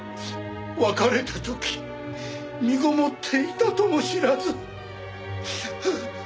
別れた時身ごもっていたとも知らず。